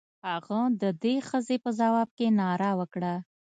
هغه د دې ښځې په ځواب کې ناره وکړه.